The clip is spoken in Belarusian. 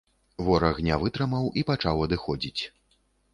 Вораг не вытрымаў і пачаў адыходзіць.